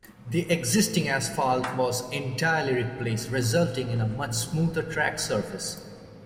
The existing asphalt was entirely replaced, resulting in a much smoother track surface.